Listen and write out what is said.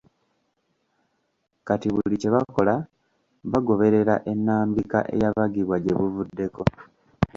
Kati buli kye bakola bagoberera ennambika eyabagibwa gye buvuddeko